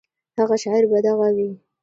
هغه شاعر به دغه وي.